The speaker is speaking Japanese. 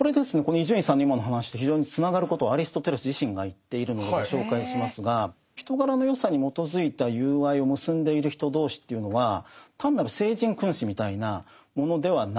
伊集院さんの今の話と非常につながることをアリストテレス自身が言っているのでご紹介しますが人柄の善さに基づいた友愛を結んでいる人同士というのは単なる聖人君子みたいなものではないんです。